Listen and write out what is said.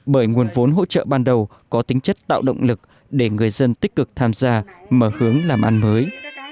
bởi nguồn vốn hỗ trợ ban đầu có tính chất tạo động lực để người dân tích cực tham gia mở hướng làm ăn mới